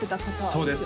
そうです